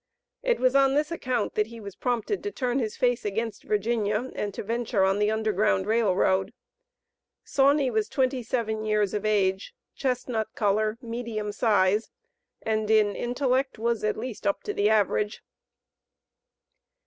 It was on this account that he was prompted to turn his face against Virginia and to venture on the Underground Rail Road. Sauney was twenty seven years of age, chestnut color, medium size, and in intellect was at least up to the average.